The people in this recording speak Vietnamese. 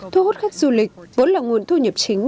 thu hút khách du lịch vốn là nguồn thu nhập chính